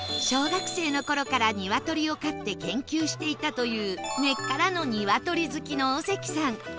小学生の頃からニワトリを飼って研究していたという根っからのニワトリ好きの尾関さん